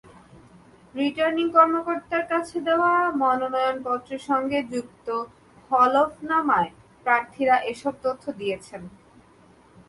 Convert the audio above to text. Returning কর্মকর্তার কাছে দেওয়া মনোনয়নপত্রের সঙ্গে যুক্ত হলফনামায় প্রার্থীরা এসব তথ্য দিয়েছেন।